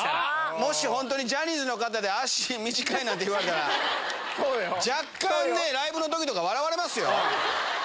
もし本当にジャニーズの方で、足短いなんて言われたら、若干ね、ライブのときとか笑われますよ。